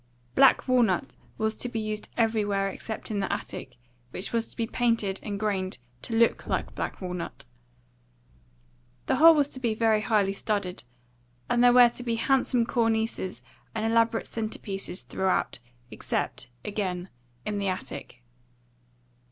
Black walnut was to be used everywhere except in the attic, which was to be painted and grained to look like black walnut. The whole was to be very high studded, and there were to be handsome cornices and elaborate centre pieces throughout, except, again, in the attic.